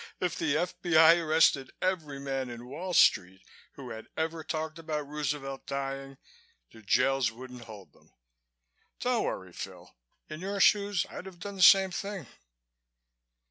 "If the F.B.I. arrested every man in Wall Street who had ever talked about Roosevelt dying the jails wouldn't hold them. Don't worry, Phil. In your shoes I'd have done the same thing."